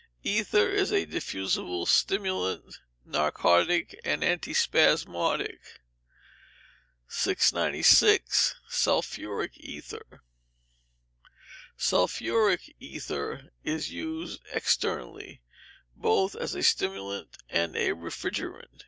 Ether is a diffusible stimulant, narcotic and antispasmodic. 696. Sulphuric Ether Sulphuric Ether is used externally both as a stimulant and a refrigerant.